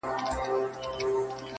د یوه بل په ښېګڼه چي رضا سي!.